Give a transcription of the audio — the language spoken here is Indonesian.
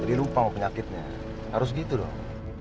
jadi lupa mau penyakitnya harus gitu dong